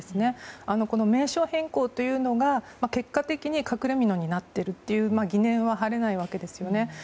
名称変更というのが結果的に隠れみのになっているという疑念は晴れないわけですよね。